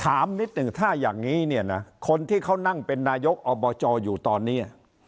นิดหนึ่งถ้าอย่างนี้เนี่ยนะคนที่เขานั่งเป็นนายกอบจอยู่ตอนนี้